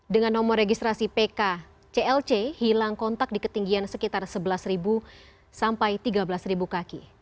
dengan nomor registrasi pk clc hilang kontak di ketinggian sekitar sebelas sampai tiga belas kaki